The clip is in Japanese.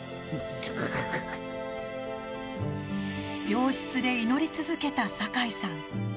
病室で祈り続けた酒井さん。